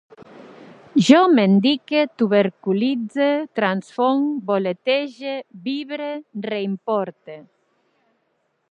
Jo mendique, tuberculitze, transfonc, voletege, vibre, reimporte